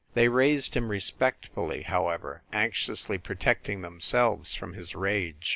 They raised him respectfully, however, anxiously protecting themselves from his rage.